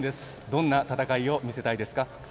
どんな戦いを見せたいですか？